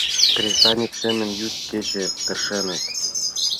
Кресаньык семын йӱд-кече тыршеныт.